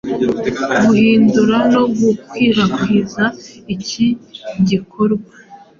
guhindura no gukwirakwiza iki gikorwa